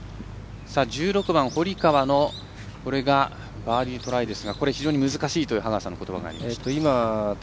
１６番、堀川のバーディートライですが非常に難しいという羽川さんのことばがありました。